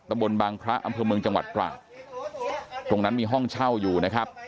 บนบางพระอำเภอเมืองจังหวัดตราดตรงนั้นมีห้องเช่าอยู่นะครับ